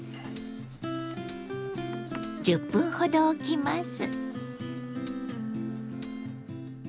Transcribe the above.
１０分ほどおきます。